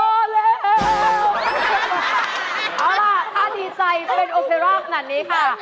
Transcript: เอาล่ะถ้าดีใจเป็นโอเฟรอลขนาดนี้ค่ะ